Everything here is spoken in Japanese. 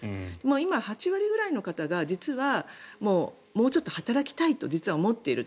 今、８割くらいの方が実はもうちょっと働きたいと実は思っていると。